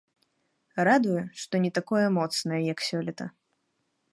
Радуе, што не такое моцнае, як сёлета.